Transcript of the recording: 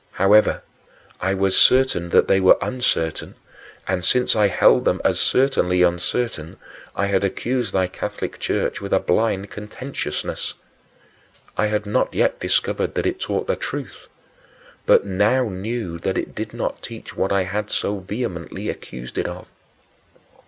However, I was certain that they were uncertain and since I had held them as certainly uncertain I had accused thy Catholic Church with a blind contentiousness. I had not yet discovered that it taught the truth, but I now knew that it did not teach what I had so vehemently accused it of.